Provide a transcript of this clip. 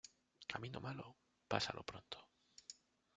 Camino malo, pásalo pronto.